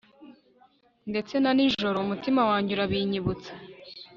ndetse na nijoro umutima wanjye urabinyibutsa